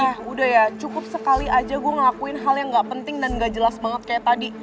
wah udah ya cukup sekali aja gue ngelakuin hal yang gak penting dan gak jelas banget kayak tadi